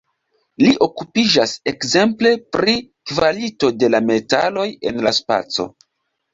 Li okupiĝas ekzemple pri kvalito de la metaloj en la spaco.